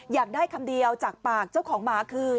อยากได้คำเดียวจากปากเจ้าของหมาคือ